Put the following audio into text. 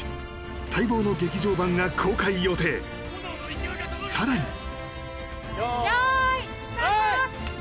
待望の劇場版が公開予定さらに・用意スタート！